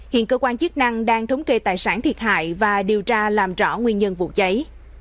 hiện cơ quan chức năng đang thống kê tài sản thiệt hại và điều tra làm rõ nguyên nhân vụ cháy